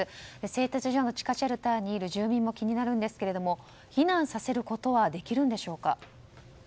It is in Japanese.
製鉄所の地下シェルターにいる住民も気になるんですが避難させることはできるんでしょうか。